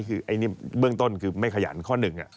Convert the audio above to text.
คืออันนี้เบื้องต้นคือไม่ขยันข้อหนึ่ง